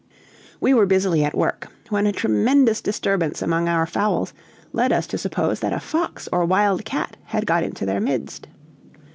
We were busily at work, when a tremendous disturbance among our fowls led us to suppose that a fox or wild cat had got into their midst.